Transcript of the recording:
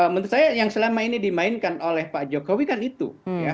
menurut saya yang selama ini dimainkan oleh pak jokowi kan itu